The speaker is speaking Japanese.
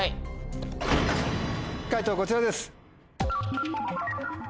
解答こちらです。